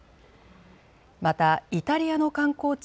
またイタリアの観光地